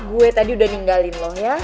gue tadi udah ninggalin loh ya